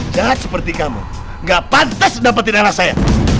jahat seperti kamu gak pantas dapetin anak saya